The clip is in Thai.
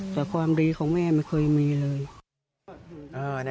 แต่ความดีของแม่ไม่เคยมีเลย